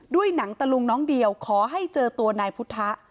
หนังตะลุงน้องเดียวขอให้เจอตัวนายพุทธะ